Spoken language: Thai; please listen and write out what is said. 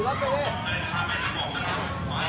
การประตูกรมทหารที่สิบเอ็ดเป็นภาพสดขนาดนี้นะครับ